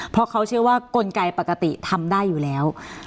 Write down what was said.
เพราะเขาเชื่อว่ากลไกปกติทำได้อยู่แล้ว